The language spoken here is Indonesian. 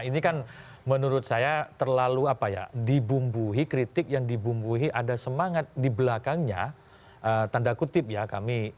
ini kan menurut saya terlalu apa ya dibumbuhi kritik yang dibumbuhi ada semangat di belakangnya tanda kutip ya